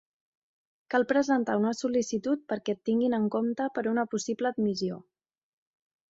Cal presentar una sol·licitud perquè et tinguin en compte per una possible admissió.